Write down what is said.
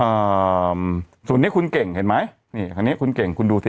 อ่าส่วนนี้คุณเก่งเห็นไหมนี่คันนี้คุณเก่งคุณดูสิ